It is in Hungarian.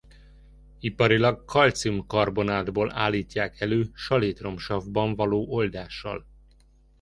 Iparilag kalcium-karbonátból állítják elő salétromsavban való oldással.